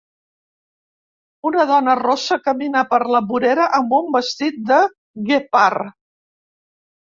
una dona rossa camina per la vorera amb un vestit de guepard.